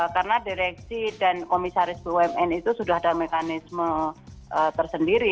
karena direksi dan komisaris bumn itu sudah ada mekanisme tersendiri